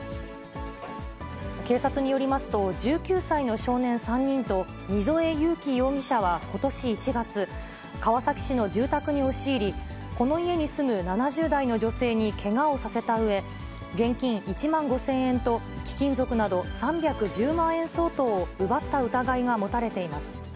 警察によりますと、１９歳の少年３人と、溝江ゆうき容疑者はことし１月、川崎市の住宅に押し入り、この家に住む７０代の女性にけがをさせたうえ、現金１万５０００円と貴金属など３１０万円相当を奪った疑いが持たれています。